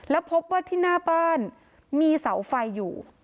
แล้วพบว่าที่หน้าบ้านมีเสาไฟอยู่